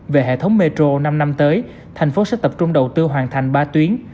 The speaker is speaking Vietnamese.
về hệ thống metro năm năm tới thành phố sẽ tập trung đầu tư hoàn thành ba tuyến